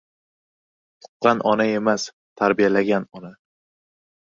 • Tuqqan ― ona emas, tarbiyalagan ― ona.